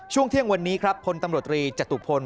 ช่วงเที่ยงวันนี้ครับพลตำรวจตรีจตุพล